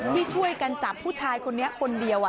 ที่ช่วยกันจับผู้ชายคนนี้คนเดียว